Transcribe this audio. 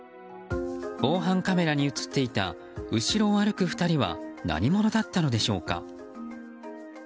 防犯カメラに映っていた後ろを歩く２人は何者だったのでしょうか。